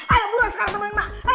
ayo buruan sekarang temenin emak